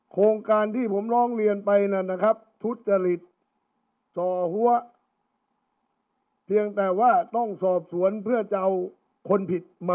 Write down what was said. โครงการที่ผมร้องเรียนไปนั่นนะครับทุจริตจ่อหัวเพียงแต่ว่าต้องสอบสวนเพื่อจะเอาคนผิดมา